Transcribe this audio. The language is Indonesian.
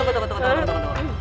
tunggu tunggu tunggu tunggu